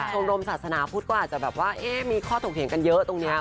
กรมศาสนาพุทธก็อาจจะแบบว่ามีข้อถกเถียงกันเยอะตรงนี้